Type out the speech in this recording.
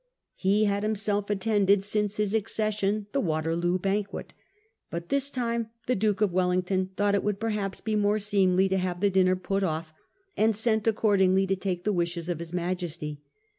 He had himself attended since his accession the Waterloo banquet; but this time the Duke of Wel lington thought it would perhaps be more seemly to have the dinner put off, and sent accordingly to take the wishes of his Majesty.